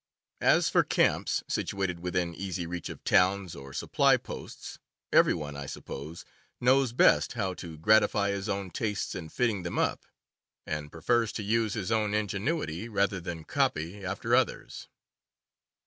As for camps situated within easy reach of towns or supply posts, every one, I suppose, knows best how to gratify his own tastes in fitting them up, and prefers to use his own ingenuity rather than copy after others.